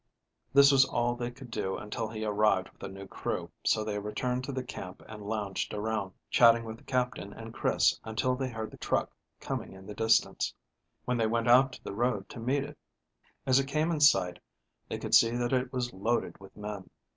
This was all they could do until he arrived with a new crew, so they returned to the camp and lounged around, chatting with the Captain and Chris until they heard the truck coming in the distance, when they went out to the road to meet it. As it came in sight they could see that it was loaded with men.